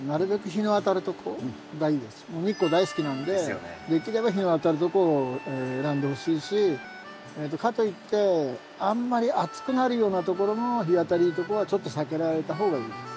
日光大好きなんでできれば日の当たるとこを選んでほしいしかといってあんまり暑くなるようなところの日当たりとかはちょっと避けられた方がいいです。